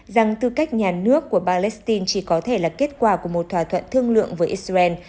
rằng tư cách nhà nước của palestine chỉ có thể là kết quả của một thỏa thuận thương lượng với israel